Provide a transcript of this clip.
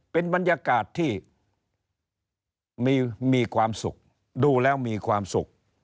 เป็นบรรยากาศที่มีความสุขดูแล้วมีความสุข